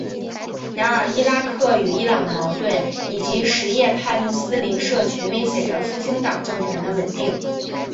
然而伊拉克与伊朗的矛盾以及什叶派穆斯林社群威胁着复兴党政权的稳定。